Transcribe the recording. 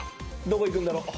どこ行くんだろう？